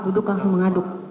duduk langsung mengaduk